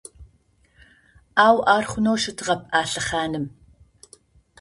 Ау ар хъунэу щытыгъэп а лъэхъаным…